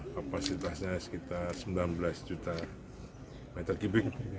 kapasitasnya sekitar sembilan belas juta meter kubik